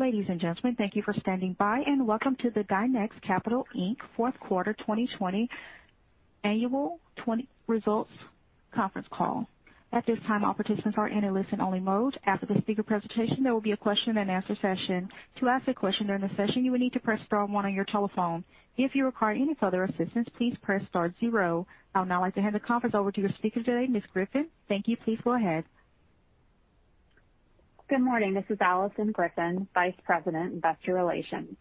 Ladies and gentlemen, thank you for standing by, and welcome to the Dynex Capital, Inc. fourth quarter 2020, annual results conference call. At this time, all participants are in a listen only mode. After the speaker presentation, there will be a question and answer session. To ask a question during the session, you would need to press star one on your telephone. If you require any further assistance, please press star zero. I would now like to hand the conference over to your speaker today, Ms. Griffin. Thank you. Please go ahead. Good morning. This is Alison Griffin, Vice President, Investor Relations.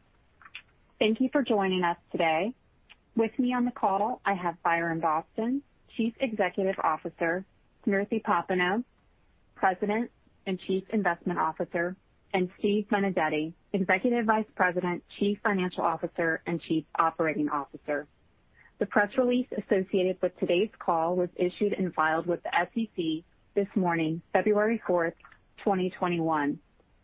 Thank you for joining us today. With me on the call, I have Byron Boston, Chief Executive Officer, Smriti Popenoe, President and Chief Investment Officer, and Steve Benedetti, Executive Vice President, Chief Financial Officer and Chief Operating Officer. The press release associated with today's call was issued and filed with the SEC this morning, February 4th, 2021.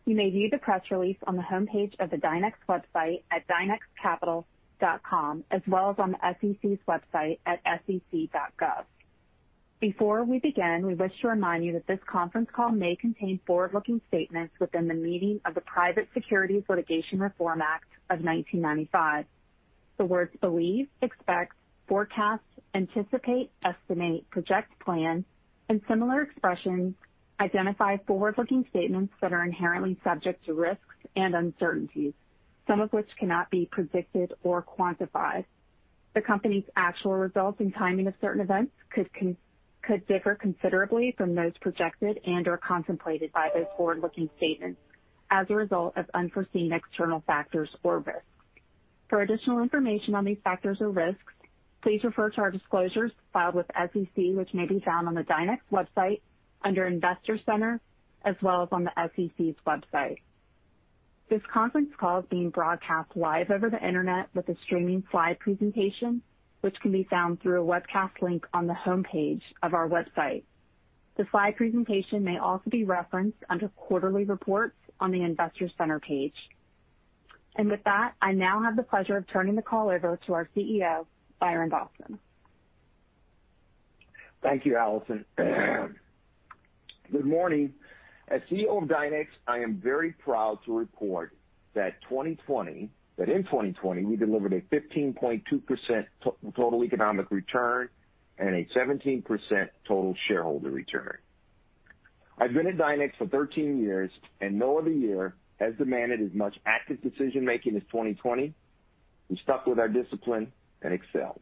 You may view the press release on the homepage of the Dynex website at dynexcapital.com as well as on the SEC's website at sec.gov. Before we begin, we wish to remind you that this conference call may contain forward-looking statements within the meaning of the Private Securities Litigation Reform Act of 1995. The words believe, expects, forecasts, anticipate, estimate, project, plan, and similar expressions identify forward-looking statements that are inherently subject to risks and uncertainties, some of which cannot be predicted or quantified. The company's actual results and timing of certain events could differ considerably from those projected and/or contemplated by those forward-looking statements as a result of unforeseen external factors or risks. For additional information on these factors or risks, please refer to our disclosures filed with SEC, which may be found on the Dynex website under Investor Center, as well as on the SEC's website. This conference call is being broadcast live over the internet with a streaming slide presentation, which can be found through a webcast link on the homepage of our website. The slide presentation may also be referenced under Quarterly Reports on the Investor Center page. With that, I now have the pleasure of turning the call over to our CEO, Byron Boston. Thank you, Alison. Good morning. As CEO of Dynex, I am very proud to report that in 2020, we delivered a 15.2% total economic return and a 17% total shareholder return. I've been at Dynex for 13 years, no other year has demanded as much active decision-making as 2020. We stuck with our discipline and excelled.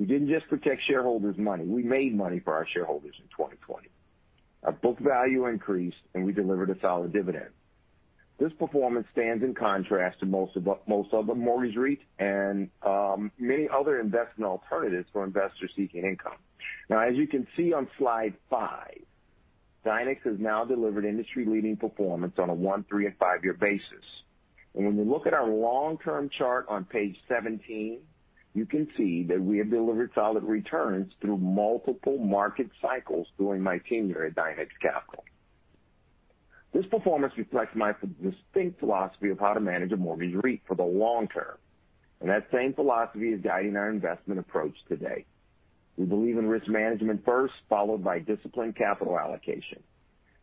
We didn't just protect shareholders' money, we made money for our shareholders in 2020. Our book value increased, we delivered a solid dividend. This performance stands in contrast to most other mortgage REITs and many other investment alternatives for investors seeking income. As you can see on Slide 5, Dynex has now delivered industry-leading performance on a one, three, and five-year basis. When we look at our long-term chart on page 17, you can see that we have delivered solid returns through multiple market cycles during my tenure at Dynex Capital. This performance reflects my distinct philosophy of how to manage a mortgage REIT for the long-term, and that same philosophy is guiding our investment approach today. We believe in risk management first, followed by disciplined capital allocation.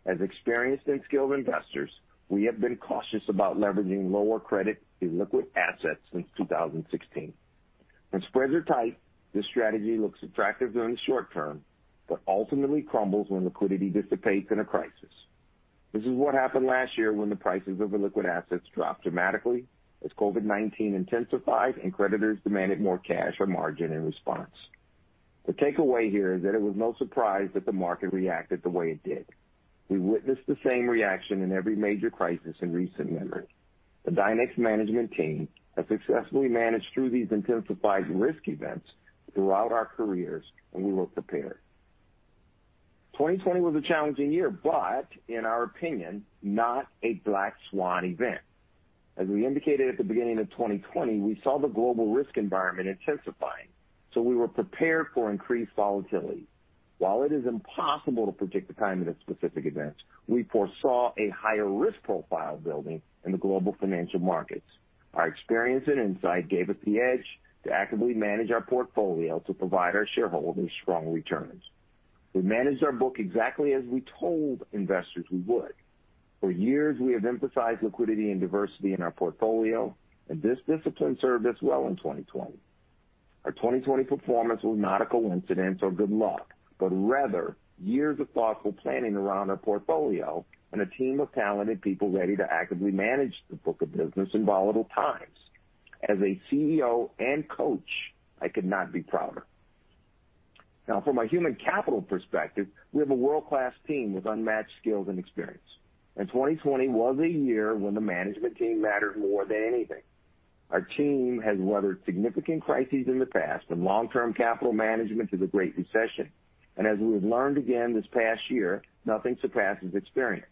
As experienced and skilled investors, we have been cautious about leveraging lower credit illiquid assets since 2016. When spreads are tight, this strategy looks attractive during the short-term, but ultimately crumbles when liquidity dissipates in a crisis. This is what happened last year when the prices of illiquid assets dropped dramatically as COVID-19 intensified and creditors demanded more cash or margin in response. The takeaway here is that it was no surprise that the market reacted the way it did. We witnessed the same reaction in every major crisis in recent memory. The Dynex management team has successfully managed through these intensified risk events throughout our careers, and we were prepared. 2020 was a challenging year, but in our opinion, not a black swan event. As we indicated at the beginning of 2020, we saw the global risk environment intensifying, so we were prepared for increased volatility. While it is impossible to predict the timing of specific events, we foresaw a higher risk profile building in the global financial markets. Our experience and insight gave us the edge to actively manage our portfolio to provide our shareholders strong returns. We managed our book exactly as we told investors we would. For years, we have emphasized liquidity and diversity in our portfolio, and this discipline served us well in 2020. Our 2020 performance was not a coincidence or good luck, but rather years of thoughtful planning around our portfolio and a team of talented people ready to actively manage the book of business in volatile times. As a CEO and coach, I could not be prouder. Now, from a human capital perspective, we have a world-class team with unmatched skills and experience, 2020 was a year when the management team mattered more than anything. Our team has weathered significant crises in the past, from long-term capital management to the Great Recession. As we've learned again this past year, nothing surpasses experience.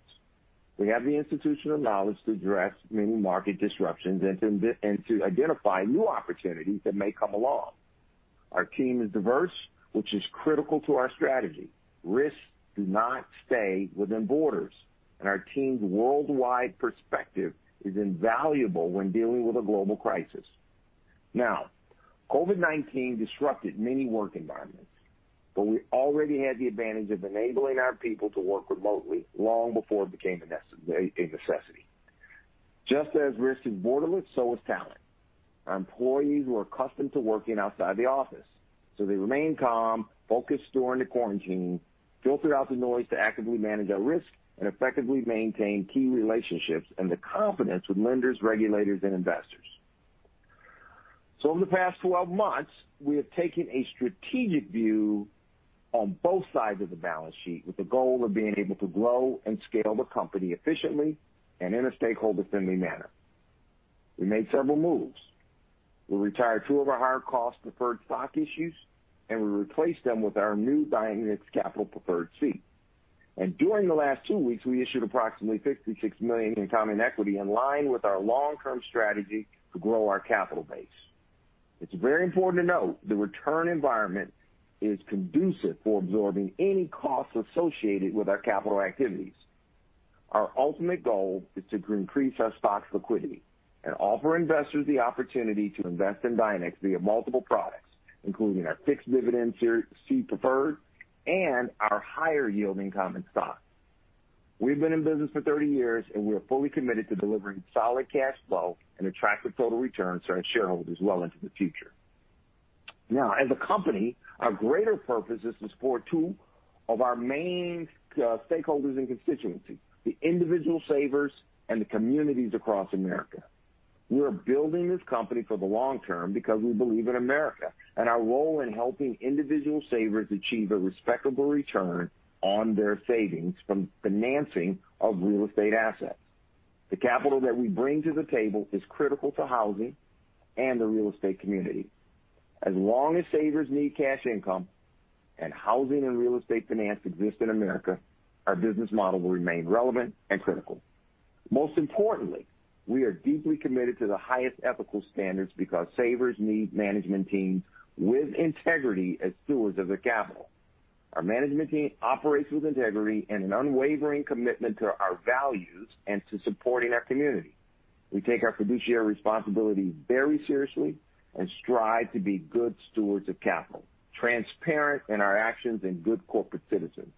We have the institutional knowledge to address many market disruptions and to identify new opportunities that may come along. Our team is diverse, which is critical to our strategy. Risks do not stay within borders, and our team's worldwide perspective is invaluable when dealing with a global crisis. COVID-19 disrupted many work environments, but we already had the advantage of enabling our people to work remotely long before it became a necessity. Just as risk is borderless, so is talent. Our employees were accustomed to working outside the office, so they remained calm, focused during the quarantine, filtered out the noise to actively manage our risk, and effectively maintained key relationships and the confidence with lenders, regulators, and investors. In the past 12 months, we have taken a strategic view on both sides of the balance sheet, with the goal of being able to grow and scale the company efficiently and in a stakeholder-friendly manner. We made several moves. We retired two of our higher cost preferred stock issues, and we replaced them with our new Dynex Capital Preferred C. During the last two weeks, we issued approximately $66 million in common equity in line with our long-term strategy to grow our capital base. It's very important to note the return environment is conducive for absorbing any costs associated with our capital activities. Our ultimate goal is to increase our stock's liquidity and offer investors the opportunity to invest in Dynex Capital via multiple products, including our fixed dividend C Preferred and our higher-yielding common stock. We've been in business for 30 years, and we are fully committed to delivering solid cash flow and attractive total returns to our shareholders well into the future. As a company, our greater purpose is to support two of our main stakeholders and constituencies, the individual savers and the communities across America. We are building this company for the long-term because we believe in America and our role in helping individual savers achieve a respectable return on their savings from financing of real estate assets. The capital that we bring to the table is critical to housing and the real estate community. As long as savers need cash income and housing and real estate finance exist in America, our business model will remain relevant and critical. Most importantly, we are deeply committed to the highest ethical standards because savers need management teams with integrity as stewards of their capital. Our management team operates with integrity and an unwavering commitment to our values and to supporting our community. We take our fiduciary responsibility very seriously and strive to be good stewards of capital, transparent in our actions, and good corporate citizens.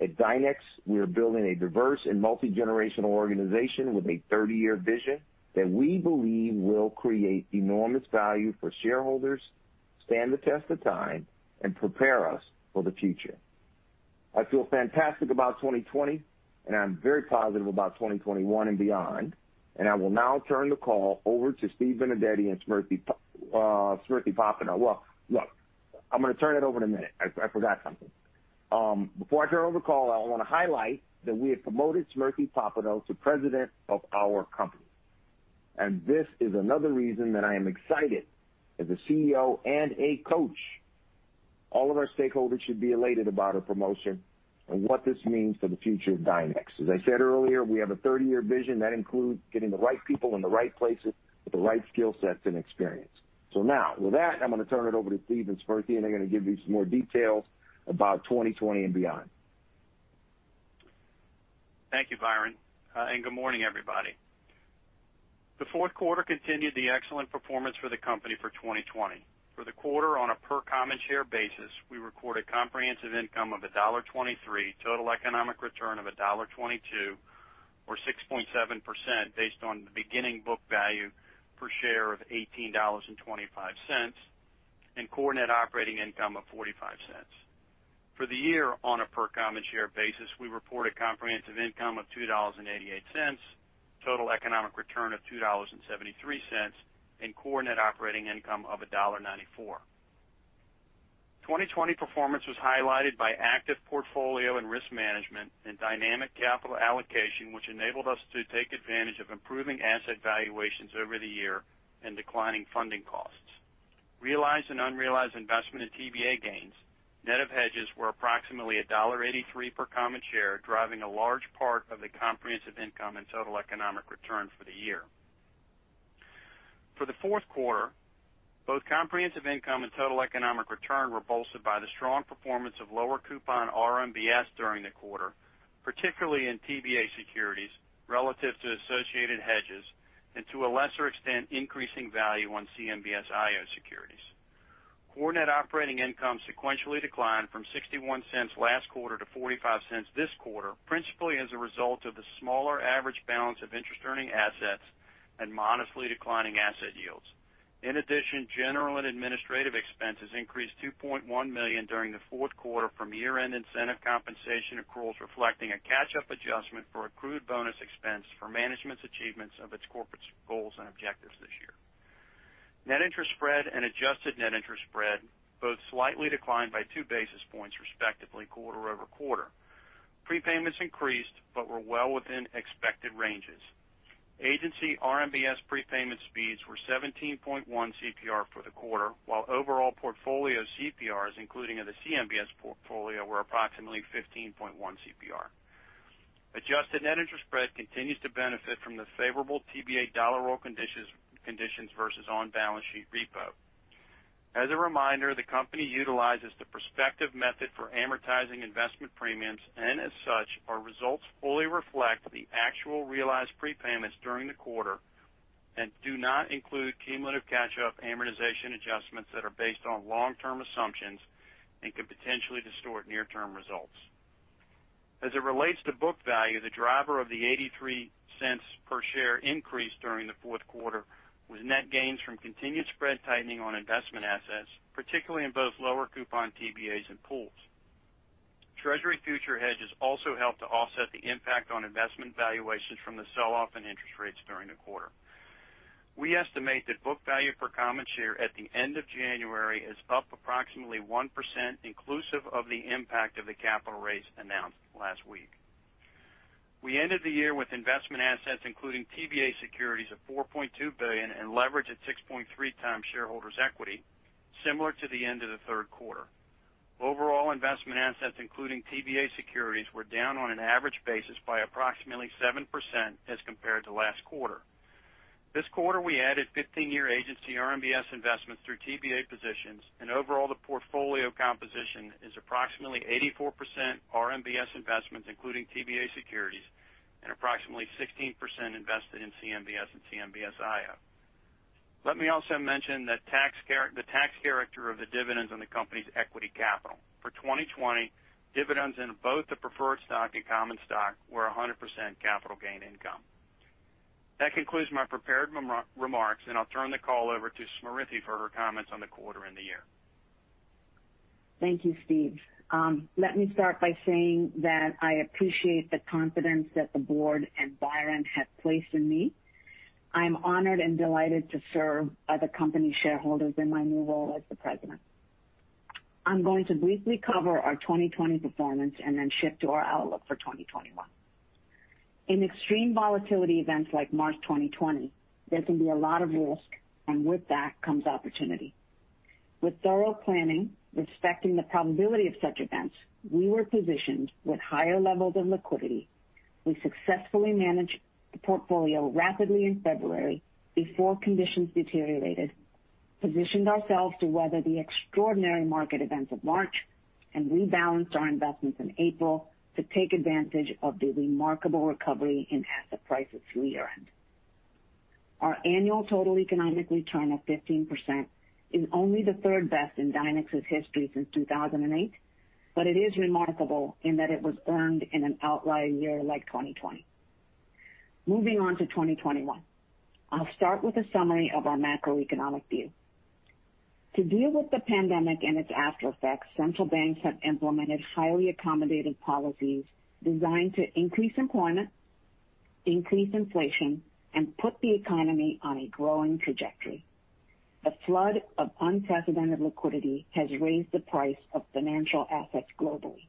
At Dynex, we are building a diverse and multigenerational organization with a 30-year vision that we believe will create enormous value for shareholders, stand the test of time, and prepare us for the future. I feel fantastic about 2020, and I'm very positive about 2021 and beyond. I will now turn the call over to Steve Benedetti and Smriti Popenoe. Well, look, I'm going to turn it over in a minute. I forgot something. Before I turn over the call, I want to highlight that we have promoted Smriti Popenoe to President of our company. This is another reason that I am excited as a CEO and a coach. All of our stakeholders should be elated about her promotion and what this means for the future of Dynex. As I said earlier, we have a 30-year vision. That includes getting the right people in the right places with the right skill sets and experience. Now, with that, I'm going to turn it over to Steve and Smriti, and they're going to give you some more details about 2020 and beyond. Thank you, Byron, and good morning, everybody. The fourth quarter continued the excellent performance for the company for 2020. For the quarter, on a per common share basis, we recorded comprehensive income of $1.23, total economic return of $1.22, or 6.7%, based on the beginning book value per share of $18.25, and core net operating income of $0.45. For the year, on a per common share basis, we reported comprehensive income of $2.88, total economic return of $2.73, and core net operating income of $1.94. 2020 performance was highlighted by active portfolio and risk management and dynamic capital allocation, which enabled us to take advantage of improving asset valuations over the year and declining funding costs. Realized and unrealized investment in TBA gains, net of hedges, were approximately $1.83 per common share, driving a large part of the comprehensive income and total economic return for the year. For the fourth quarter, both comprehensive income and total economic return were bolstered by the strong performance of lower coupon RMBS during the quarter, particularly in TBA securities relative to associated hedges and, to a lesser extent, increasing value on CMBS IO securities. Core net operating income sequentially declined from $0.61 last quarter to $0.45 this quarter, principally as a result of the smaller average balance of interest-earning assets and modestly declining asset yields. In addition, general and administrative expenses increased to $2.1 million during the fourth quarter from year-end incentive compensation accruals reflecting a catch-up adjustment for accrued bonus expense for management's achievements of its corporate goals and objectives this year. Net interest spread and adjusted net interest spread both slightly declined by 2 basis points respectively quarter-over-quarter. Prepayments increased but were well within expected ranges. Agency RMBS prepayment speeds were 17.1 CPR for the quarter, while overall portfolio CPRs, including of the CMBS portfolio, were approximately 15.1 CPR. Adjusted net interest spread continues to benefit from the favorable TBA dollar roll conditions versus on-balance sheet repo. As a reminder, the company utilizes the prospective method for amortizing investment premiums, and as such, our results fully reflect the actual realized prepayments during the quarter and do not include cumulative catch-up amortization adjustments that are based on long-term assumptions and could potentially distort near-term results. As it relates to book value, the driver of the $0.83 per share increase during the fourth quarter was net gains from continued spread tightening on investment assets, particularly in both lower coupon TBAs and pools. Treasury future hedges also helped to offset the impact on investment valuations from the sell-off and interest rates during the quarter. We estimate that book value per common share at the end of January is up approximately 1%, inclusive of the impact of the capital raise announced last week. We ended the year with investment assets, including TBA securities, of $4.2 billion and leverage at 6.3x shareholders' equity, similar to the end of the third quarter. Overall investment assets, including TBA securities, were down on an average basis by approximately 7% as compared to last quarter. This quarter, we added 15-year Agency RMBS investments through TBA positions, and overall, the portfolio composition is approximately 84% RMBS investments, including TBA securities, and approximately 16% invested in CMBS and CMBS IO. Let me also mention the tax character of the dividends on the company's equity capital. For 2020, dividends in both the preferred stock and common stock were 100% capital gain income. That concludes my prepared remarks, and I'll turn the call over to Smriti for her comments on the quarter and the year. Thank you, Steve. Let me start by saying that I appreciate the confidence that the board and Byron have placed in me. I'm honored and delighted to serve the company shareholders in my new role as the president. I'm going to briefly cover our 2020 performance and then shift to our outlook for 2021. In extreme volatility events like March 2020, there can be a lot of risk, and with that comes opportunity. With thorough planning, respecting the probability of such events, we were positioned with higher levels of liquidity. We successfully managed the portfolio rapidly in February before conditions deteriorated, positioned ourselves to weather the extraordinary market events of March, and rebalanced our investments in April to take advantage of the remarkable recovery in asset prices through year-end. Our annual total economic return of 15% is only the third best in Dynex's history since 2008, but it is remarkable in that it was earned in an outlying year like 2020. Moving on to 2021. I'll start with a summary of our macroeconomic view. To deal with the pandemic and its aftereffects, central banks have implemented highly accommodative policies designed to increase employment, increase inflation, and put the economy on a growing trajectory. A flood of unprecedented liquidity has raised the price of financial assets globally.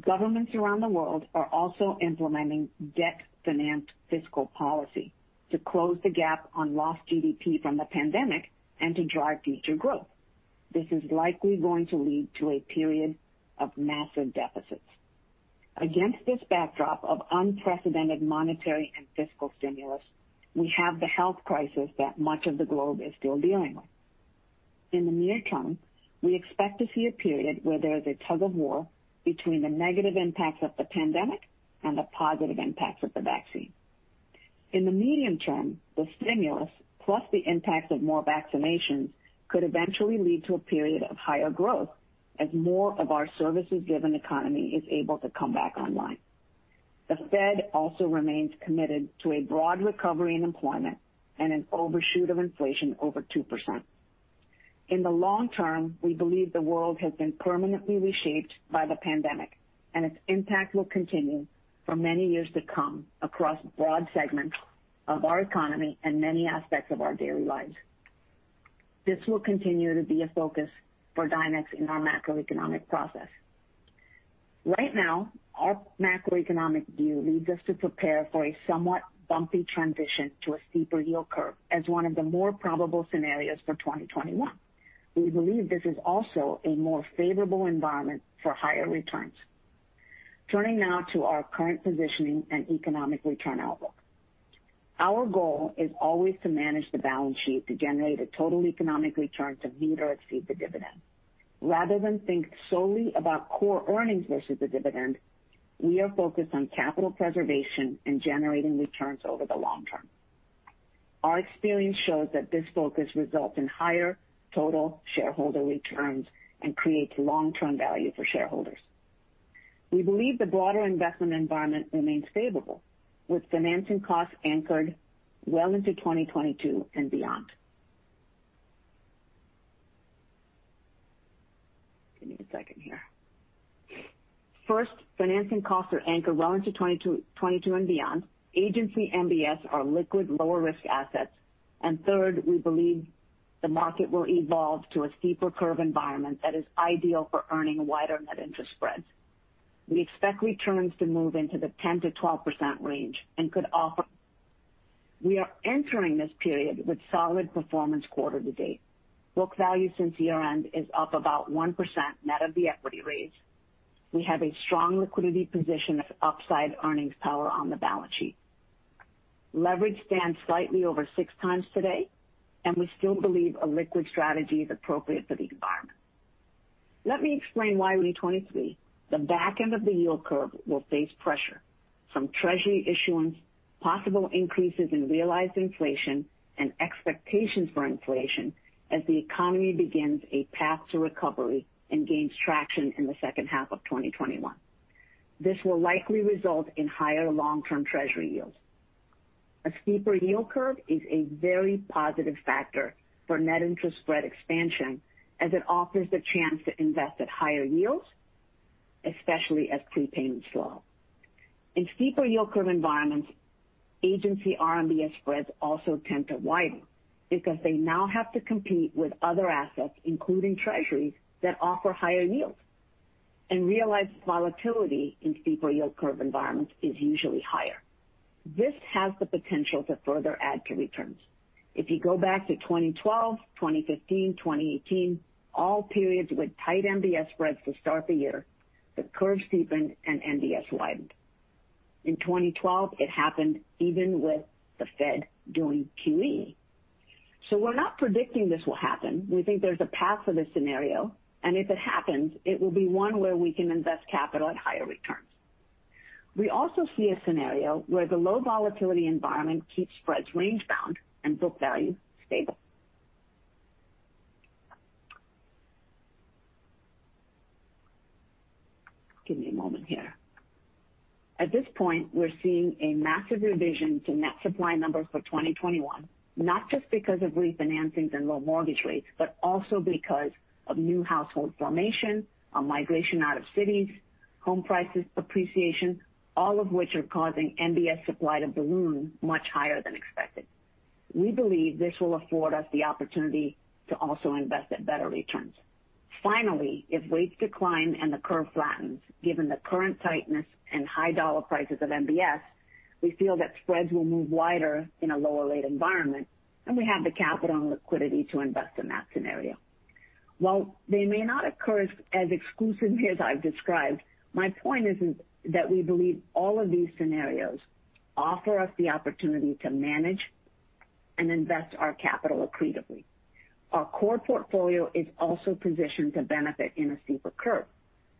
Governments around the world are also implementing debt-financed fiscal policy to close the gap on lost GDP from the pandemic and to drive future growth. This is likely going to lead to a period of massive deficits. Against this backdrop of unprecedented monetary and fiscal stimulus, we have the health crisis that much of the globe is still dealing with. In the near-term, we expect to see a period where there is a tug-of-war between the negative impacts of the pandemic and the positive impacts of the vaccine. In the medium-term, the stimulus plus the impact of more vaccinations could eventually lead to a period of higher growth as more of our services-driven economy is able to come back online. The Fed also remains committed to a broad recovery in employment and an overshoot of inflation over 2%. In the long-term, we believe the world has been permanently reshaped by the pandemic, and its impact will continue for many years to come across broad segments of our economy and many aspects of our daily lives. This will continue to be a focus for Dynex in our macroeconomic process. Right now, our macroeconomic view leads us to prepare for a somewhat bumpy transition to a steeper yield curve as one of the more probable scenarios for 2021. We believe this is also a more favorable environment for higher returns. Turning now to our current positioning and economic return outlook. Our goal is always to manage the balance sheet to generate a total economic return to meet or exceed the dividend. Rather than think solely about core earnings versus the dividend, we are focused on capital preservation and generating returns over the long-term. Our experience shows that this focus results in higher total shareholder returns and creates long-term value for shareholders. We believe the broader investment environment remains favorable, with financing costs anchored well into 2022 and beyond. Give me a second here. First, financing costs are anchored well into 2022 and beyond. Agency MBS are liquid, lower risk assets. Third, we believe the market will evolve to a steeper curve environment that is ideal for earning wider net interest spreads. We expect returns to move into the 10%-12% range. We are entering this period with solid performance quarter to date. Book value since year-end is up about 1% net of the equity raise. We have a strong liquidity position of upside earnings power on the balance sheet. Leverage stands slightly over 6x today, and we still believe a liquid strategy is appropriate for the environment. Let me explain why we need 2023. The back end of the yield curve will face pressure from treasury issuance, possible increases in realized inflation, and expectations for inflation as the economy begins a path to recovery and gains traction in the second half of 2021. This will likely result in higher long-term Treasury yields. A steeper yield curve is a very positive factor for net interest spread expansion as it offers the chance to invest at higher yields, especially as prepayments slow. In steeper yield curve environments, Agency RMBS spreads also tend to widen because they now have to compete with other assets, including Treasuries, that offer higher yields, and realized volatility in steeper yield curve environments is usually higher. This has the potential to further add to returns. If you go back to 2012, 2015, 2018, all periods with tight MBS spreads to start the year, the curve steepened and MBS widened. In 2012, it happened even with the Fed doing QE. We're not predicting this will happen. We think there's a path for this scenario, and if it happens, it will be one where we can invest capital at higher returns. We also see a scenario where the low volatility environment keeps spreads range bound and book value stable. Give me a moment here. At this point, we're seeing a massive revision to net supply numbers for 2021, not just because of refinancings and low mortgage rates, but also because of new household formation, a migration out of cities, home prices appreciation, all of which are causing MBS supply to balloon much higher than expected. We believe this will afford us the opportunity to also invest at better returns. Finally, if rates decline and the curve flattens, given the current tightness and high dollar prices of MBS, we feel that spreads will move wider in a lower rate environment, and we have the capital and liquidity to invest in that scenario. While they may not occur as exclusively as I've described, my point is that we believe all of these scenarios offer us the opportunity to manage and invest our capital accretively. Our core portfolio is also positioned to benefit in a steeper curve.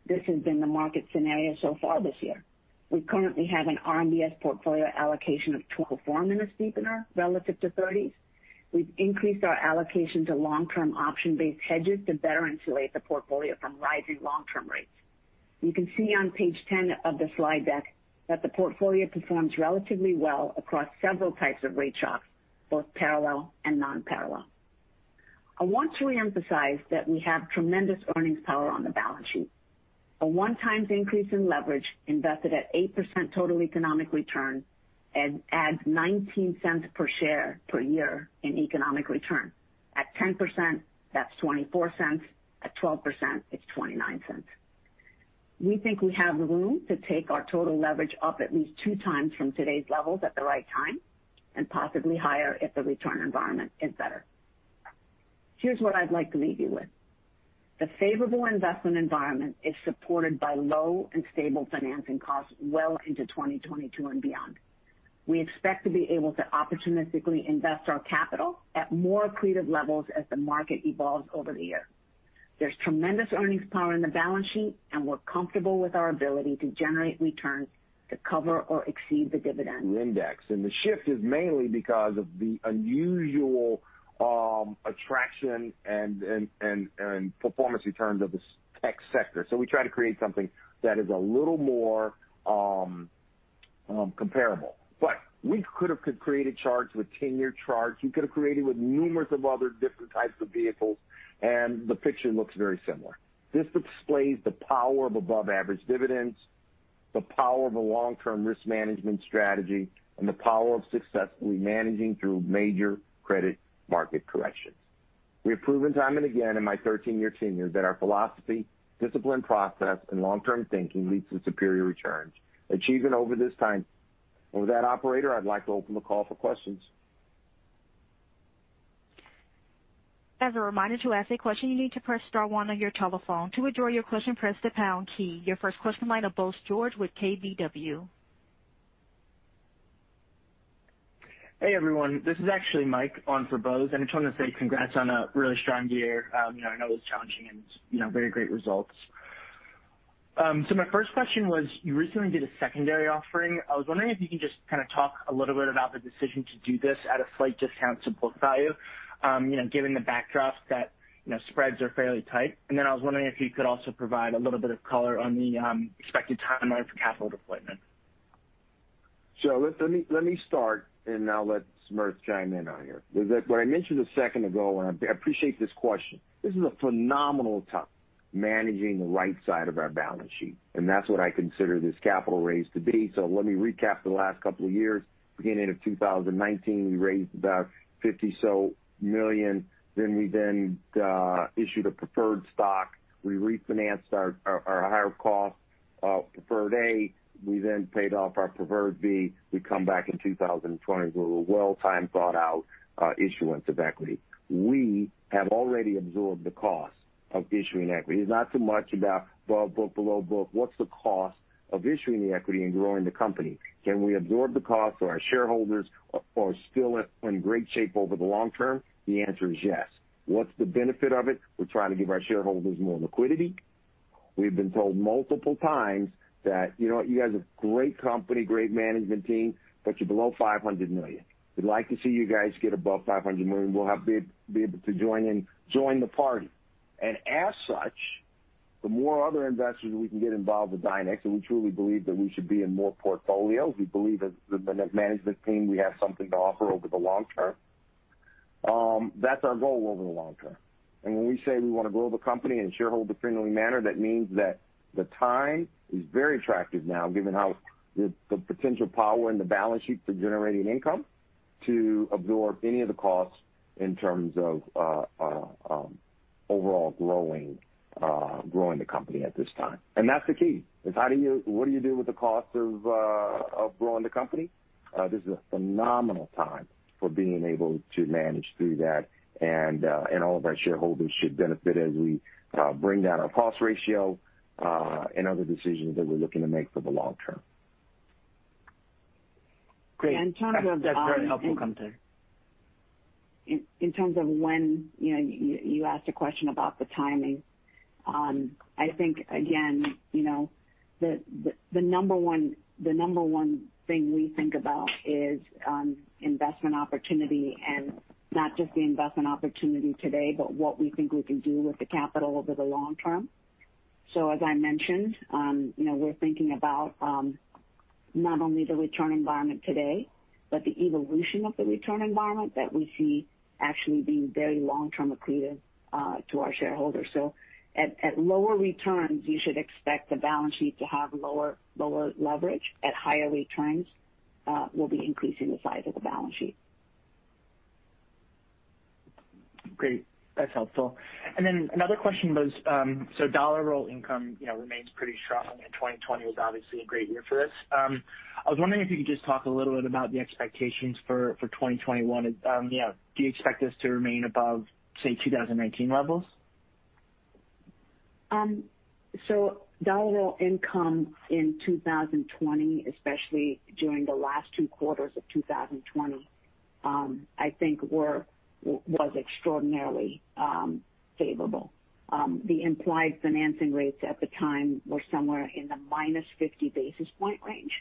This has been the market scenario so far this year. We currently have an RMBS portfolio allocation of 12 for in a steepener relative to 30s. We've increased our allocation to long-term option-based hedges to better insulate the portfolio from rising long-term rates. You can see on page 10 of the slide deck that the portfolio performs relatively well across several types of rate shocks, both parallel and non-parallel. I want to reemphasize that we have tremendous earnings power on the balance sheet. A 1x increase in leverage invested at 8% total economic return adds $0.19 per share per year in economic return. At 10%, that's $0.24. At 12%, it's $0.29. We think we have room to take our total leverage up at least 2x from today's levels at the right time, and possibly higher if the return environment is better. Here's what I'd like to leave you with. The favorable investment environment is supported by low and stable financing costs well into 2022 and beyond. We expect to be able to opportunistically invest our capital at more accretive levels as the market evolves over the year. There's tremendous earnings power in the balance sheet, and we're comfortable with our ability to generate returns to cover or exceed the dividend. Index. The shift is mainly because of the unusual attraction and performance returns of this tech sector. We try to create something that is a little more comparable. We could have created charts with 10-year charts. We could have created with numerous of other different types of vehicles, and the picture looks very similar. This displays the power of above-average dividends, the power of a long-term risk management strategy, and the power of successfully managing through major credit market corrections. We have proven time and again in my 13-year tenure that our philosophy, disciplined process, and long-term thinking leads to superior returns, achieving over this time. With that, operator, I'd like to open the call for questions. As a reminder, to ask a question, you need to press star one on your telephone. To withdraw your question, press the pound key. Your first question line of Bose George with KBW. Hey, everyone. This is actually Mike on for Bose, I just wanted to say congrats on a really strong year. I know it was challenging, very great results. My first question was, you recently did a secondary offering. I was wondering if you can just kind of talk a little bit about the decision to do this at a slight discount to book value given the backdrop that spreads are fairly tight. I was wondering if you could also provide a little bit of color on the expected timeline for capital deployment. Let me start, and I'll let Smriti chime in on here. What I mentioned a second ago, and I appreciate this question. This is a phenomenal time managing the right side of our balance sheet, and that's what I consider this capital raise to be. Let me recap the last couple of years. Beginning of 2019, we raised about $50 million. We then issued a preferred stock. We refinanced our higher cost Preferred A. We then paid off our Preferred B. We come back in 2020 with a well-thought-out issuance of equity. We have already absorbed the cost of issuing equity. It's not so much about above book, below book. What's the cost of issuing the equity and growing the company? Can we absorb the cost so our shareholders are still in great shape over the long-term? The answer is yes. What's the benefit of it? We're trying to give our shareholders more liquidity. We've been told multiple times that, "You know what? You guys are a great company, great management team, but you're below $500 million. We'd like to see you guys get above $500 million. We'll be able to join the party." As such, the more other investors we can get involved with Dynex, and we truly believe that we should be in more portfolios. We believe as the management team, we have something to offer over the long-term. That's our goal over the long-term. When we say we want to grow the company in a shareholder-friendly manner, that means that the time is very attractive now, given how the potential power in the balance sheet for generating income to absorb any of the costs in terms of overall growing the company at this time. That's the key, is what do you do with the cost of growing the company? This is a phenomenal time for being able to manage through that and all of our shareholders should benefit as we bring down our cost ratio, and other decisions that we're looking to make for the long-term. Great. That's very helpful, content. In terms of when, you asked a question about the timing. I think, again, the number one thing we think about is investment opportunity and not just the investment opportunity today, but what we think we can do with the capital over the long-term. As I mentioned, we're thinking about not only the return environment today, but the evolution of the return environment that we see actually being very long-term accretive to our shareholders. At lower returns, you should expect the balance sheet to have lower leverage. At higher returns, we'll be increasing the size of the balance sheet. Great. That's helpful. Another question was, dollar roll income remains pretty strong, and 2020 was obviously a great year for this. I was wondering if you could just talk a little bit about the expectations for 2021. Do you expect this to remain above, say, 2019 levels? Dollar roll income in 2020, especially during the last two quarters of 2020, I think was extraordinarily favorable. The implied financing rates at the time were somewhere in the -50 basis point range.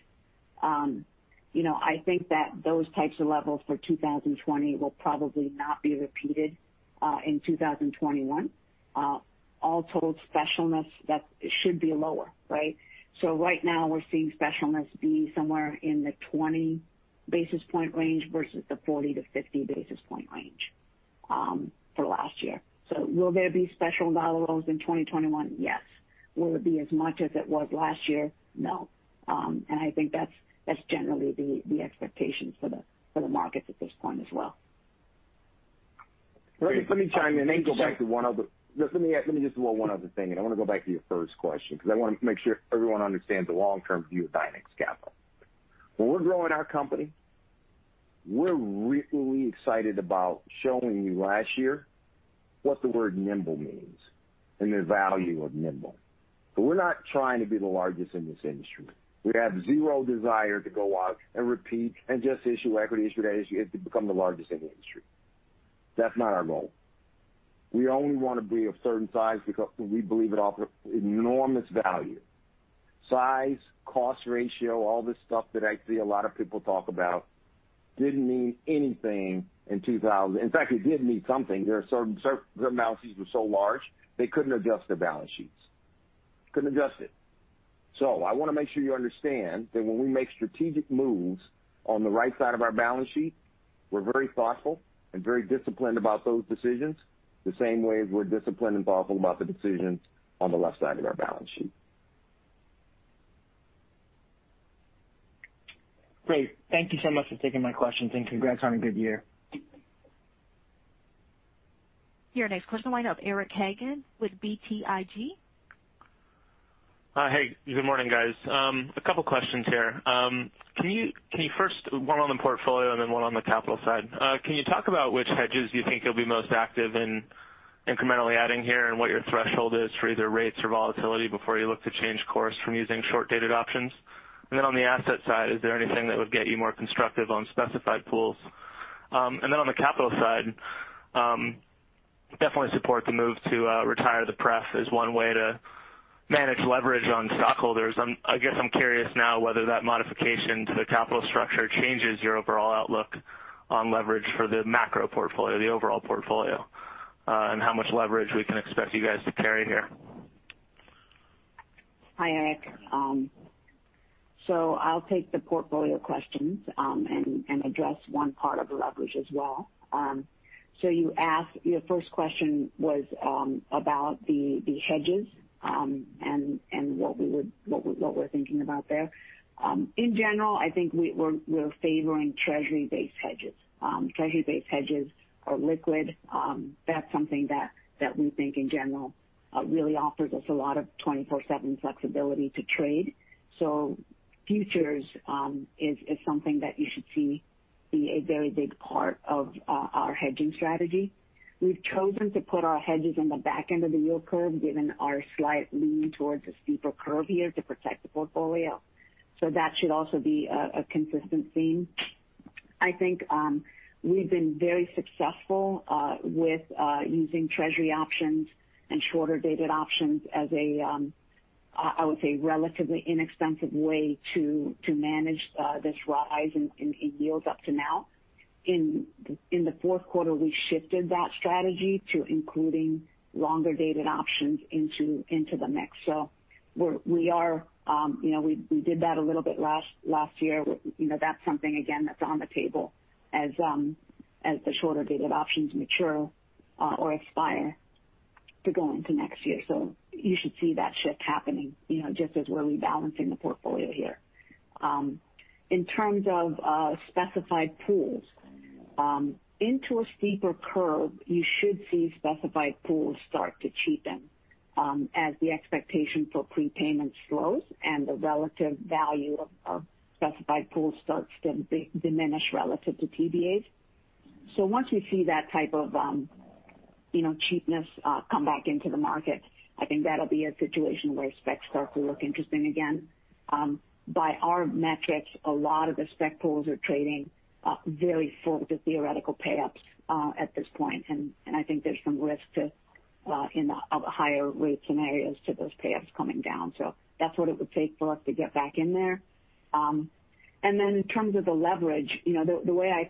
I think that those types of levels for 2020 will probably not be repeated in 2021. All told, specialness should be lower, right? Right now we're seeing specialness be somewhere in the 20 basis point range versus the 40-50 basis point range for last year. Will there be special dollar rolls in 2021? Yes. Will it be as much as it was last year? No. I think that's generally the expectation for the markets at this point as well. Let me chime in and go back to one other. Let me just dwell one other thing, and I want to go back to your first question because I want to make sure everyone understands the long-term view of Dynex Capital. When we're growing our company, we're really excited about showing you last year what the word nimble means and the value of nimble. We're not trying to be the largest in this industry. We have zero desire to go out and repeat and just issue equity to become the largest in the industry. That's not our goal. We only want to be of a certain size because we believe it offers enormous value. Size, cost ratio, all this stuff that I see a lot of people talk about didn't mean anything in 2000. In fact, it did mean something. Certain balance sheets were so large they couldn't adjust their balance sheets. Couldn't adjust it. I want to make sure you understand that when we make strategic moves on the right side of our balance sheet, we're very thoughtful and very disciplined about those decisions, the same way as we're disciplined and thoughtful about the decisions on the left side of our balance sheet. Great. Thank you so much for taking my questions. Congrats on a good year. Your next question lined up, Eric Hagen with BTIG. Hey, good morning, guys. A couple questions here. One on the portfolio and then one on the capital side. Can you talk about which hedges you think you'll be most active in incrementally adding here, and what your threshold is for either rates or volatility before you look to change course from using short-dated options? On the asset side, is there anything that would get you more constructive on specified pools? On the capital side, definitely support the move to retire the pref as one way to manage leverage on stockholders. I guess I'm curious now whether that modification to the capital structure changes your overall outlook on leverage for the macro portfolio, the overall portfolio. How much leverage we can expect you guys to carry here. Hi, Eric. I'll take the portfolio questions and address one part of the leverage as well. Your first question was about the hedges, and what we're thinking about there. In general, I think we're favoring treasury-based hedges. Treasury-based hedges are liquid. That's something that we think in general really offers us a lot of 24/7 flexibility to trade. Futures is something that you should see be a very big part of our hedging strategy. We've chosen to put our hedges in the back end of the yield curve given our slight lean towards a steeper curve here to protect the portfolio. That should also be a consistent theme. I think we've been very successful with using treasury options and shorter-dated options as a, I would say, relatively inexpensive way to manage this rise in yields up to now. In the fourth quarter, we shifted that strategy to including longer-dated options into the mix. We did that a little bit last year. That's something, again, that's on the table as the shorter-dated options mature or expire to go into next year. You should see that shift happening, just as we're rebalancing the portfolio here. In terms of specified pools. Into a steeper curve, you should see specified pools start to cheapen as the expectation for prepayments slows and the relative value of specified pools starts to diminish relative to TBAs. Once we see that type of cheapness come back into the market, I think that'll be a situation where specs start to look interesting again. By our metrics, a lot of the spec pools are trading very full to theoretical payups at this point. I think there's some risk of higher rate scenarios to those payups coming down. That's what it would take for us to get back in there. In terms of the leverage, the way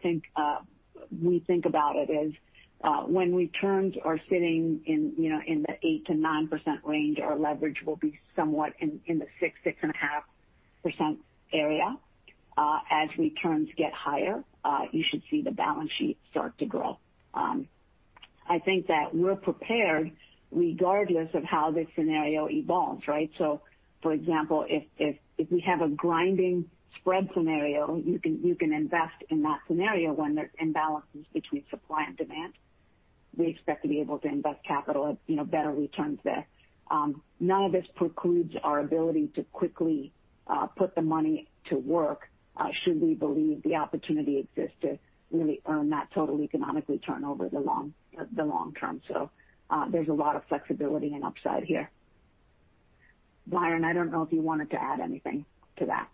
we think about it is when returns are sitting in the 8%-9% range, our leverage will be somewhat in the 6%-6.5% area. As returns get higher, you should see the balance sheet start to grow. I think that we're prepared regardless of how this scenario evolves, right? For example, if we have a grinding spread scenario, you can invest in that scenario when there's imbalances between supply and demand. We expect to be able to invest capital at better returns there. None of this precludes our ability to quickly put the money to work should we believe the opportunity exists to really earn that total economic return over the long-term. There's a lot of flexibility and upside here. Byron, I don't know if you wanted to add anything to that.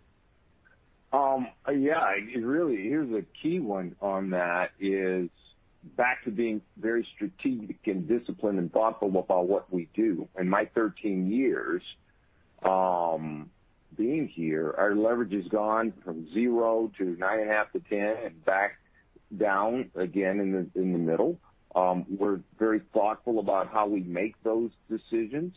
Yeah. Really, here's a key one on that is back to being very strategic and disciplined and thoughtful about what we do. In my 13 years being here, our leverage has gone from zero to 9.5%-10%, and back down again in the middle. We're very thoughtful about how we make those decisions.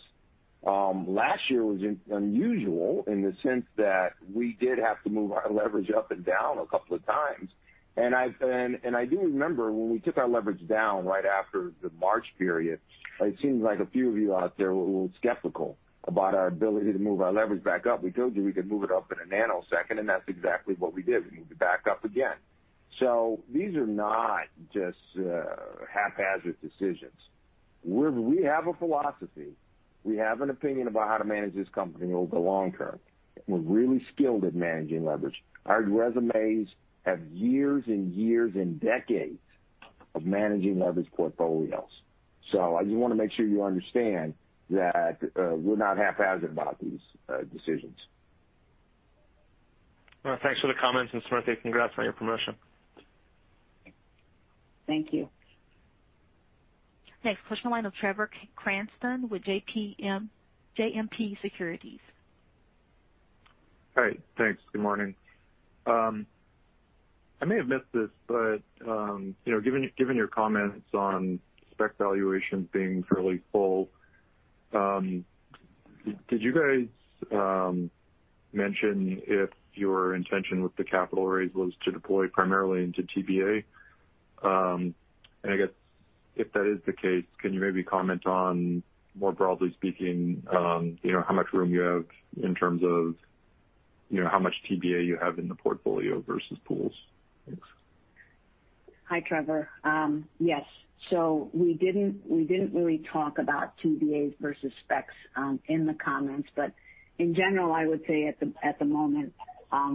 Last year was unusual in the sense that we did have to move our leverage up and down a couple of times. I do remember when we took our leverage down right after the March period, it seemed like a few of you out there were a little skeptical about our ability to move our leverage back up. We told you we could move it up in a nanosecond, and that's exactly what we did. We moved it back up again. These are not just haphazard decisions. We have a philosophy. We have an opinion about how to manage this company over the long-term. We're really skilled at managing leverage. Our resumes have years and years and decades of managing leverage portfolios. I just want to make sure you understand that we're not haphazard about these decisions. Well, thanks for the comments. Smriti, congrats on your promotion. Thank you. Next question, line of Trevor Cranston with JMP Securities. Hi. Thanks. Good morning. I may have missed this, but given your comments on spec valuations being fairly full, did you guys mention if your intention with the capital raise was to deploy primarily into TBA? I guess if that is the case, can you maybe comment on, more broadly speaking, how much room you have in terms of how much TBA you have in the portfolio versus pools? Thanks. Hi, Trevor. Yes. We didn't really talk about TBAs versus specs in the comments. In general, I would say at the moment,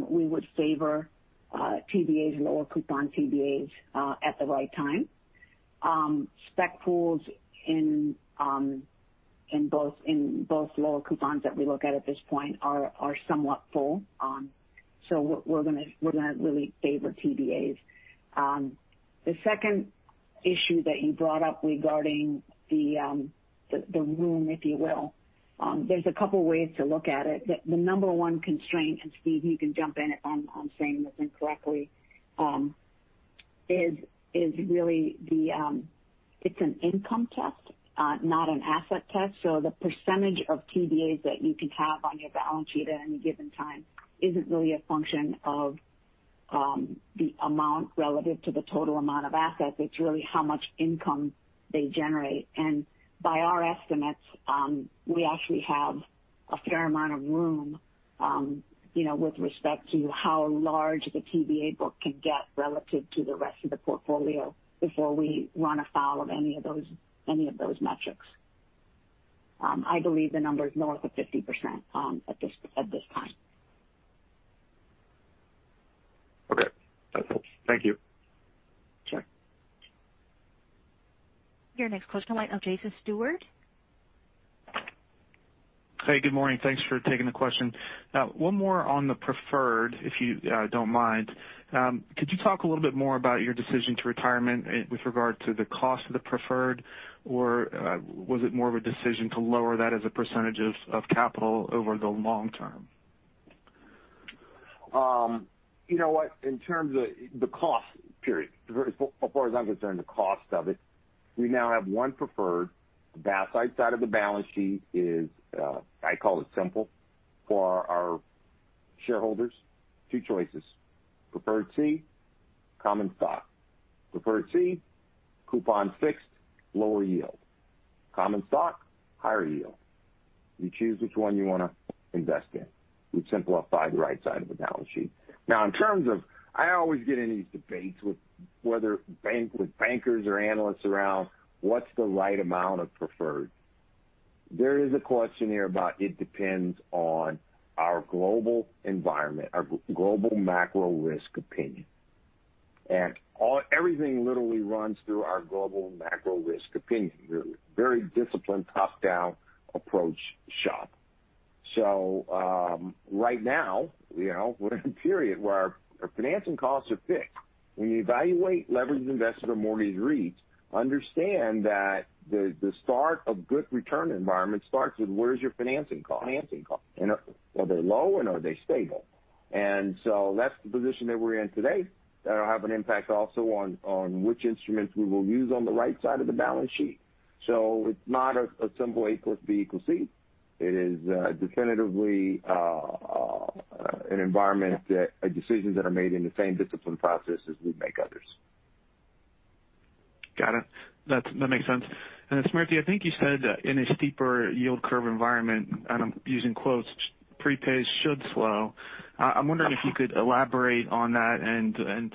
we would favor TBAs, lower coupon TBAs at the right time. Spec pools in both lower coupons that we look at at this point are somewhat full. We're going to really favor TBAs. The second issue that you brought up regarding the room, if you will. There's a couple ways to look at it. The number one constraint, and Steve, you can jump in if I'm saying this incorrectly, is really it's an income test, not an asset test. The percentage of TBAs that you can have on your balance sheet at any given time isn't really a function of the amount relative to the total amount of assets. It's really how much income they generate. By our estimates, we actually have a fair amount of room with respect to how large the TBA book can get relative to the rest of the portfolio before we run afoul of any of those metrics. I believe the number is north of 50% at this time. Okay. That helps. Thank you. Sure. Your next question, line of Jason Stewart. Hey, good morning. Thanks for taking the question. One more on the preferred, if you don't mind. Could you talk a little bit more about your decision to retirement with regard to the cost of the preferred, or was it more of a decision to lower that as a percentage of capital over the long-term? You know what? In terms of the cost, period. As far as I'm concerned, the cost of it, we now have one preferred. The backside of the balance sheet is, I call it simple, for our shareholders. Two choices: Preferred C, common stock. Preferred C, coupon fixed, lower yield. Common stock, higher yield. You choose which one you want to invest in. We've simplified the right side of the balance sheet. I always get in these debates with bankers or analysts around what's the right amount of preferred. There is a question here, it depends on our global environment, our global macro risk opinion. Everything literally runs through our global macro risk opinion. We're a very disciplined top-down approach shop. Right now, we're in a period where our financing costs are fixed. When you evaluate leveraged investor mortgage REITs, understand that the start of good return environment starts with where is your financing cost? Are they low and are they stable? That's the position that we're in today. That'll have an impact also on which instruments we will use on the right side of the balance sheet. It's not a simple A plus B equals C. It is definitively a decision that are made in the same disciplined process as we make others. Got it. That makes sense. Smriti, I think you said in a steeper yield curve environment, and I'm using quotes, "pre-pays should slow." I'm wondering if you could elaborate on that and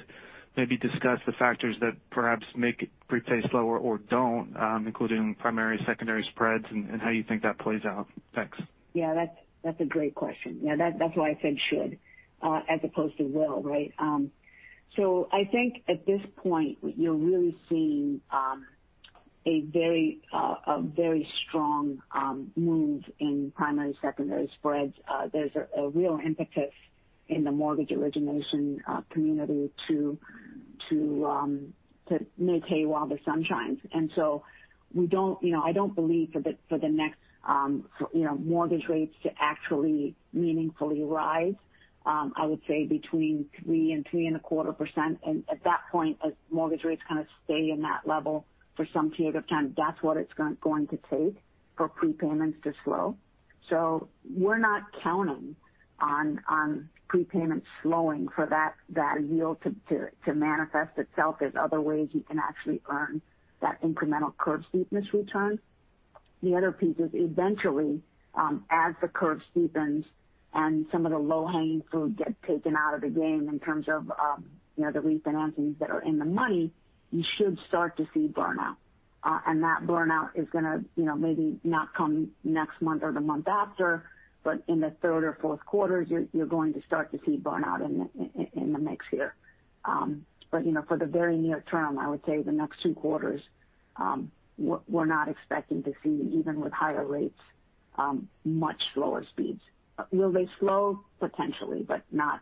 maybe discuss the factors that perhaps make pre-pays slower or don't, including primary, secondary spreads and how you think that plays out? Thanks. That's a great question. That's why I said should as opposed to will, right? I think at this point, you're really seeing a very strong move in primary, secondary spreads. There's a real impetus in the mortgage origination community to make hay while the sun shines. I don't believe for the next mortgage rates to actually meaningfully rise. I would say between 3%-3.25%. At that point, as mortgage rates kind of stay in that level for some period of time, that's what it's going to take for prepayments to slow. We're not counting on prepayment slowing for that yield to manifest itself. There's other ways you can actually earn that incremental curve steepness return. The other piece is eventually as the curve steepens and some of the low-hanging fruit get taken out of the game in terms of the refinancings that are in the money, you should start to see burnout. That burnout is going to maybe not come next month or the month after, but in the third or fourth quarters, you're going to start to see burnout in the mix here. For the very near-term, I would say the next two quarters we're not expecting to see, even with higher rates, much slower speeds. Will they slow? Potentially, but not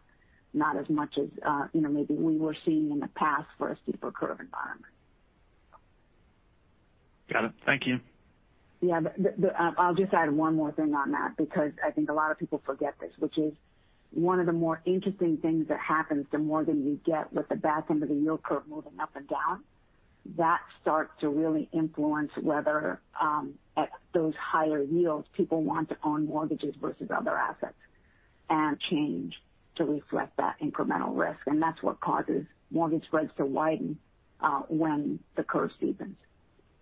as much as maybe we were seeing in the past for a steeper curve environment. Got it. Thank you. Yeah. I'll just add one more thing on that, because I think a lot of people forget this, which is one of the more interesting things that happens the more that you get with the back end of the yield curve moving up and down. That starts to really influence whether at those higher yields, people want to own mortgages versus other assets and change to reflect that incremental risk. That's what causes mortgage spreads to widen when the curve steepens.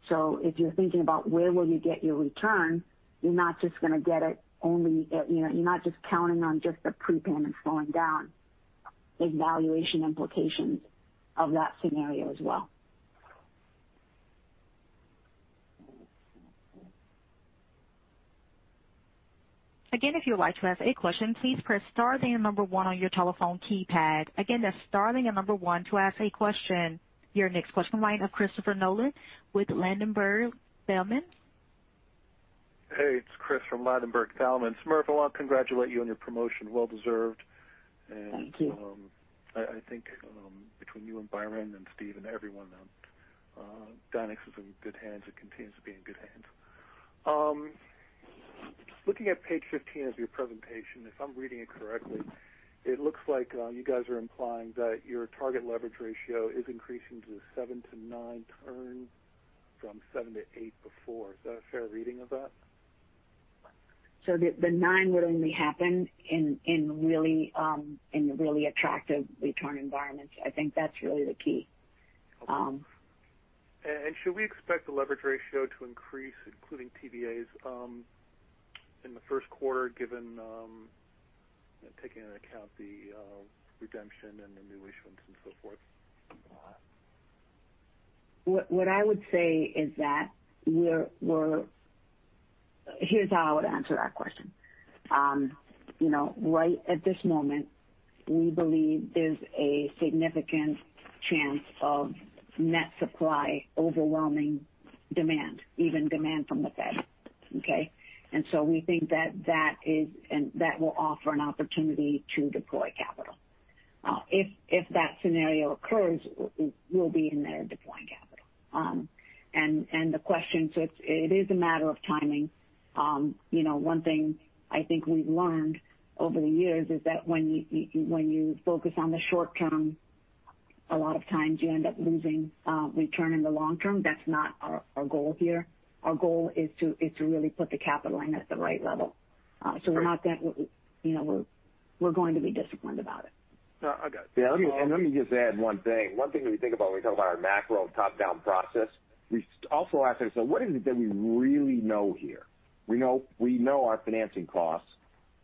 If you're thinking about where will you get your return, you're not just counting on just the prepayment slowing down. There's valuation implications of that scenario as well. Again, if you would like to ask a question, please press star then number one on your telephone keypad. Again, that's star then number one to ask a question. Your next question line of Christopher Nolan with Ladenburg Thalmann. Hey, it's Chris from Ladenburg Thalmann. Smriti, I want to congratulate you on your promotion. Well deserved. Thank you. I think between you and Byron and Steve and everyone, Dynex is in good hands and continues to be in good hands. Looking at page 15 of your presentation, if I'm reading it correctly, it looks like you guys are implying that your target leverage ratio is increasing to 7%-9% turn from 7%-8% before. Is that a fair reading of that? The nine would only happen in really attractive return environments. I think that's really the key. Should we expect the leverage ratio to increase, including TBAs in the first quarter, given taking into account the redemption and the new issuance and so forth? Here's how I would answer that question. Right at this moment, we believe there's a significant chance of net supply overwhelming demand, even demand from the Fed. Okay? We think that will offer an opportunity to deploy capital. If that scenario occurs, we'll be in there deploying capital. The question, it is a matter of timing. One thing I think we've learned over the years is that when you focus on the short-term, a lot of times you end up losing return in the long-term. That's not our goal here. Our goal is to really put the capital in at the right level. We're going to be disciplined about it. No, I got you. Yeah. Let me just add one thing. One thing when you think about when we talk about our macro top-down process, we also ask ourselves, what is it that we really know here? We know our financing costs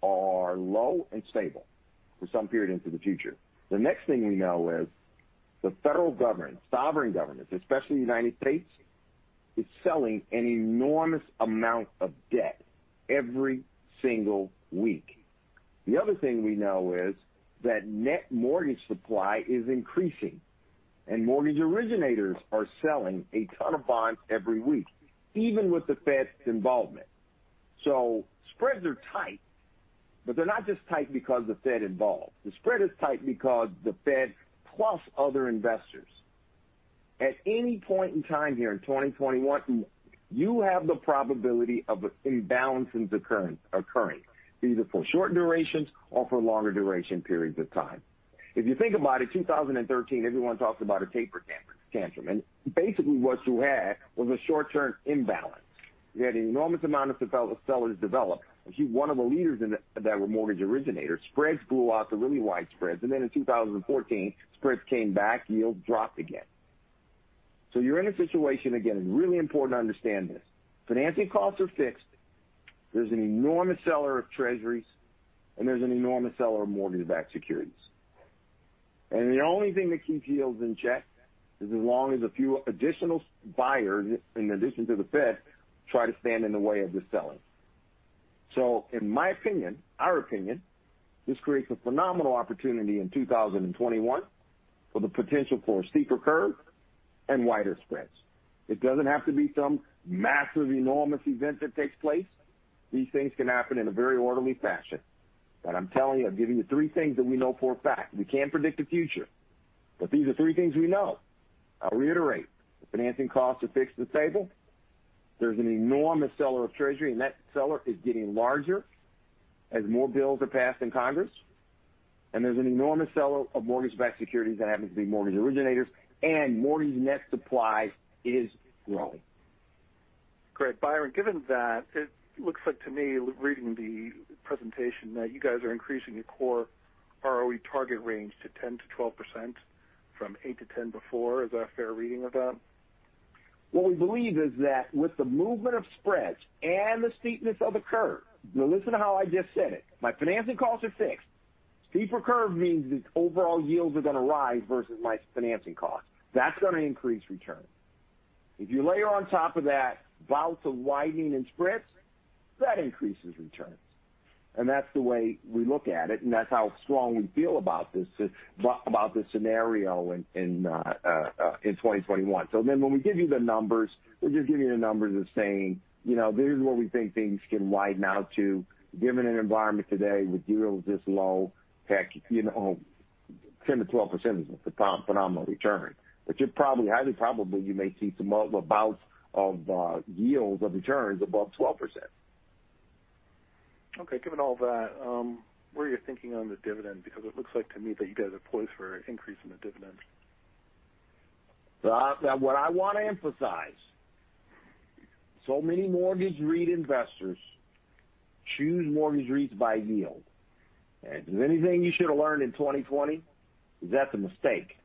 are low and stable for some period into the future. The next thing we know is the federal government, sovereign governments, especially the United States, is selling an enormous amount of debt every single week. The other thing we know is that net mortgage supply is increasing, and mortgage originators are selling a ton of bonds every week, even with the Fed's involvement. Spreads are tight, but they're not just tight because the Fed involved. The spread is tight because the Fed plus other investors. At any point in time here in 2021, you have the probability of an imbalance occurring, either for short durations or for longer duration periods of time. If you think about it, 2013, everyone talks about a taper tantrum, and basically what you had was a short-term imbalance. You had an enormous amount of sellers develop. One of the leaders in that were mortgage originators. Spreads blew out to really wide spreads, and then in 2014, spreads came back, yields dropped again. You're in a situation, again, really important to understand this. Financing costs are fixed. There's an enormous seller of Treasuries, and there's an enormous seller of mortgage-backed securities. The only thing that keeps yields in check is as long as a few additional buyers, in addition to the Fed, try to stand in the way of the selling. In my opinion, our opinion, this creates a phenomenal opportunity in 2021 for the potential for a steeper curve and wider spreads. It doesn't have to be some massive, enormous event that takes place. These things can happen in a very orderly fashion. I'm telling you, I'm giving you three things that we know for a fact. We can't predict the future, these are three things we know. I'll reiterate, the financing costs are fixed and stable. There's an enormous seller of Treasury, that seller is getting larger as more bills are passed in Congress. There's an enormous seller of mortgage-backed securities that happens to be mortgage originators, mortgage net supply is growing. Great. Byron, given that, it looks like to me, reading the presentation, that you guys are increasing your core ROE target range to 10%-12%, from 8%-10% before. Is that a fair reading of that? What we believe is that with the movement of spreads and the steepness of the curve, now listen to how I just said it. My financing costs are fixed. Steeper curve means that overall yields are going to rise versus my financing costs. That's going to increase returns. If you layer on top of that bouts of widening in spreads, that increases returns. That's the way we look at it, and that's how strong we feel about this scenario in 2021. Remember, when we give you the numbers, we're just giving you the numbers as saying, "This is where we think things can widen out to, given an environment today with yields this low." Heck, 10%-12% is a phenomenal return. You're probably, highly probably, you may see some bouts of yields of returns above 12%. Okay. Given all that, what are you thinking on the dividend? It looks like to me that you guys are poised for an increase in the dividend. What I want to emphasize, so many Mortgage REIT investors choose Mortgage REITs by yield. If there's anything you should have learned in 2020, is that's a mistake.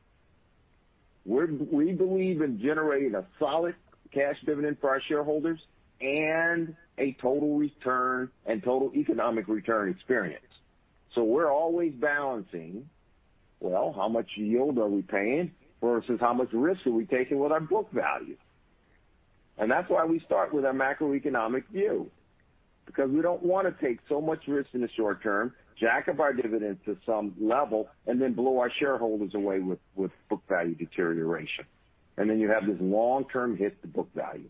We believe in generating a solid cash dividend for our shareholders and a total return and total economic return experience. We're always balancing, well, how much yield are we paying versus how much risk are we taking with our book value? That's why we start with our macroeconomic view, because we don't want to take so much risk in the short-term, jack up our dividends to some level, and then blow our shareholders away with book value deterioration. Then you have this long-term hit to book value.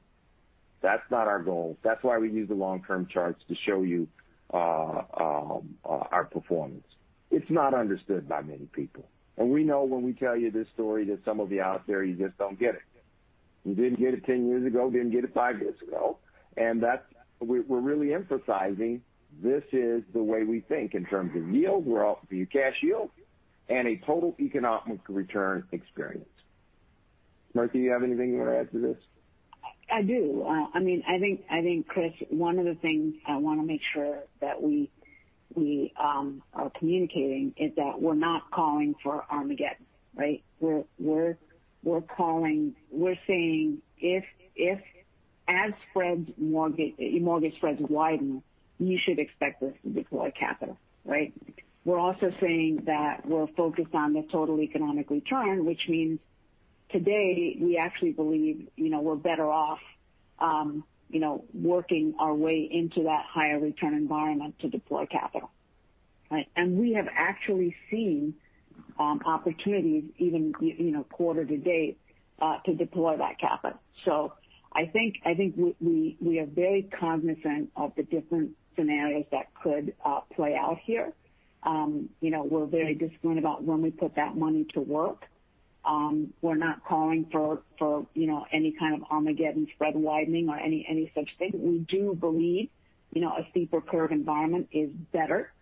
That's not our goal. That's why we use the long-term charts to show you our performance. It's not understood by many people. We know when we tell you this story that some of you out there, you just don't get it. You didn't get it 10 years ago, didn't get it five years ago. That we're really emphasizing this is the way we think in terms of yield. We're after your cash yield and a total economic return experience. Smriti, do you have anything you want to add to this? I do. I think, Chris, one of the things I want to make sure that we are communicating is that we're not calling for Armageddon, right? We're saying if as mortgage spreads widen, you should expect us to deploy capital. Right? We're also saying that we're focused on the total economic return, which means. Today we actually believe we're better off working our way into that higher return environment to deploy capital. Right? We have actually seen opportunities even quarter to date to deploy that capital. I think we are very cognizant of the different scenarios that could play out here. We're very disciplined about when we put that money to work. We're not calling for any kind of Armageddon spread widening or any such thing. We do believe a steeper curve environment is better,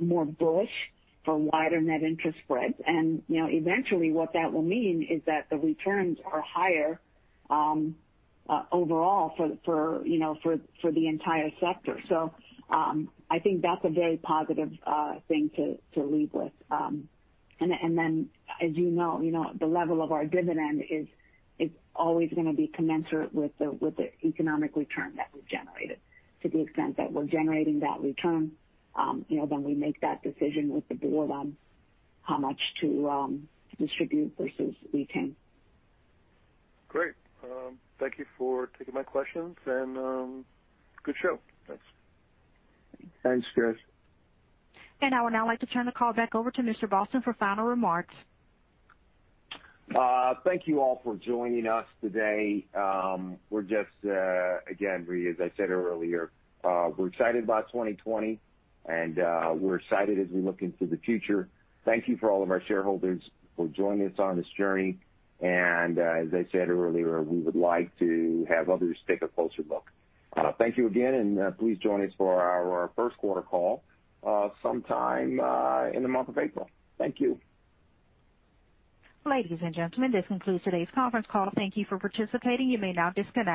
more bullish for wider net interest spreads. Eventually what that will mean is that the returns are higher overall for the entire sector. I think that's a very positive thing to lead with. As you know, the level of our dividend is always going to be commensurate with the economic return that we've generated. To the extent that we're generating that return, we make that decision with the board on how much to distribute versus retain. Great. Thank you for taking my questions and good show. Thanks. Thanks, Chris. I would now like to turn the call back over to Mr. Boston for final remarks. Thank you all for joining us today. Again, really as I said earlier, we're excited about 2020, and we're excited as we look into the future. Thank you for all of our shareholders for joining us on this journey. As I said earlier, we would like to have others take a closer look. Thank you again, and please join us for our first quarter call sometime in the month of April. Thank you. Ladies and gentlemen, this concludes today's conference call. Thank you for participating. You may now disconnect.